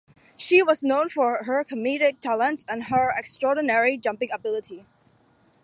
She was known for her comedic talents and her extraordinary jumping ability.